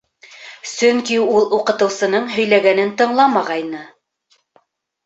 Сөнки ул уҡытыусының һөйләгәнен тыңламағайны.